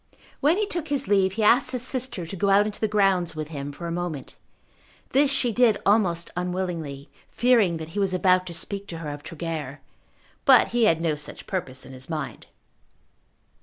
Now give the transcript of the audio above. When he took his leave he asked his sister to go out into the grounds with him for a moment. This she did almost unwillingly, fearing that he was about to speak to her of Tregear. But he had no such purpose on his mind.